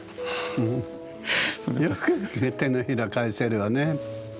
よく手のひら返せるわね。